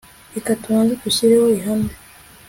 reka tubanze dushyireho ihame